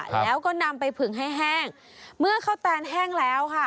แล้วก็นำไปผึงให้แห้งเมื่อข้าวแตนแห้งแล้วค่ะ